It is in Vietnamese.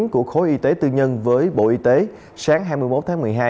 của khối y tế tư nhân với bộ y tế sáng hai mươi một tháng một mươi hai